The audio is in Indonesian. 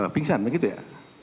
pingsan begitu ya